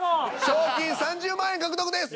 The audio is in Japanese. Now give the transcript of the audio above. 賞金３０万円獲得です。